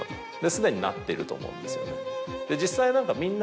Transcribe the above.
すでになっていると思うんですよね。